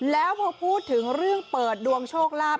แล้วพอพูดถึงเรื่องเปิดดวงโชคลาภ